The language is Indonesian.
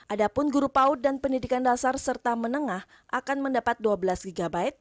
adapun guru paut dan pendidikan dasar serta menengah akan mendapat dua belas gb